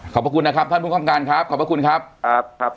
ขอบคุณนะครับท่านผู้คับการครับขอบพระคุณครับครับ